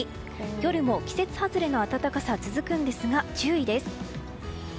夜も季節外れの暖かさが続くんですが、注意です。